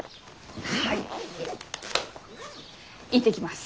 はい行ってきます。